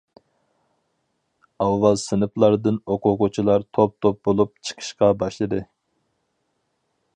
ئاۋۋال سىنىپلاردىن ئوقۇغۇچىلار توپ-توپ بولۇپ چىقىشقا باشلىدى.